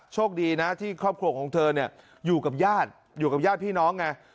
โชคดีนะที่ครอบครัวของเธอเนี่ยอยู่กับญาติอยู่กับญาติพี่น้องไง